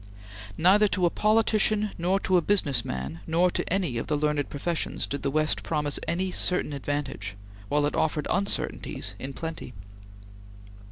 Neither to a politician nor to a business man nor to any of the learned professions did the West promise any certain advantage, while it offered uncertainties in plenty.